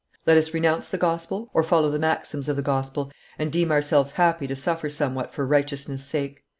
Let us renounce the gospel or follow the maxims of the gospel, and deem ourselves happy to suffer somewhat for righteousness' sake.